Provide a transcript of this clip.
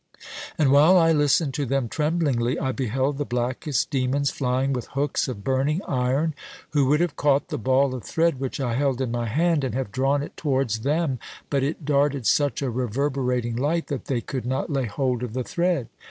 "And while I listened to them tremblingly, I beheld the blackest demons flying with hooks of burning iron, who would have caught the ball of thread which I held in my hand, and have drawn it towards them, but it darted such a reverberating light, that they could not lay hold of the thread.